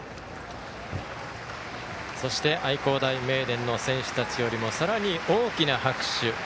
そして愛工大名電の選手たちよりもさらに大きな拍手。